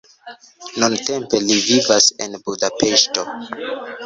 Nuntempe li vivas en Budapeŝto.